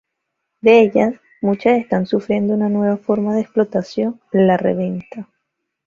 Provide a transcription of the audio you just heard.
De ellas, muchas están sufriendo una nueva forma de explotación: la reventa.